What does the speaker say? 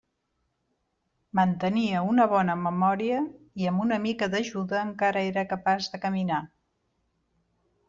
Mantenia una bona memòria i amb una mica d'ajuda encara era capaç de caminar.